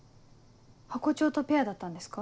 ハコ長とペアだったんですか？